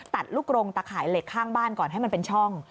ลูกกรงตะข่ายเหล็กข้างบ้านก่อนให้มันเป็นช่อง